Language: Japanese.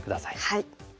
はい。